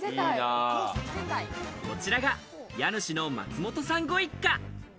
こちらが家主の松本さんご一家。